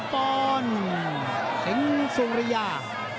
ถึงสุริยา